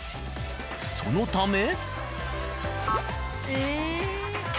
そのため。